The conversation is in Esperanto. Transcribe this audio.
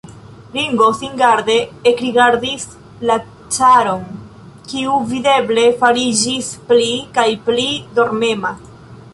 Ringo singarde ekrigardis la caron, kiu videble fariĝis pli kaj pli dormema.